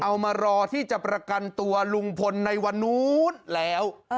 เอามารอที่จะประกันตัวลุงพลในวันนู้นแล้ว